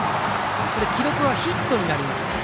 記録はヒットになりました。